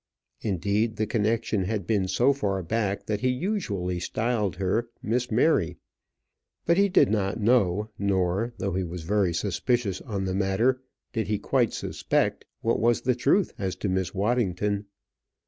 Indeed, the connection had been so far back that he usually styled her Miss Mary. But he did not know, nor though he was very suspicious on the matter did he quite suspect what was the truth as to Miss Waddington.